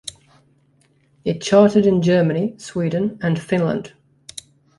It charted in Germany, Sweden and Finland.